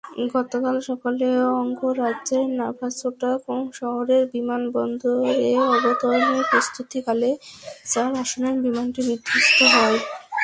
গতকাল সকালে অঙ্গরাজ্যের নাভাসোটা শহরের বিমানবন্দরে অবতরণের প্রস্তুতিকালে চার আসনের বিমানটি বিধ্বস্ত হয়।